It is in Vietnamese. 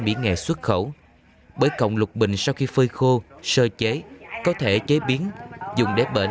mỹ nghệ xuất khẩu bởi cộng lục bình sau khi phơi khô sơ chế có thể chế biến dùng để bệnh